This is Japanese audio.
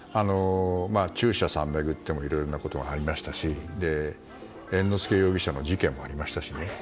中車さんを巡ってもいろいろなことがありましたし猿之助容疑者の事件もありましたしね。